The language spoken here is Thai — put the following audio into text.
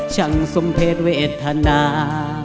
ช่างสมเพศเวทนา